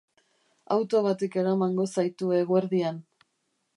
Auto batek eramango zaitu eguerdian.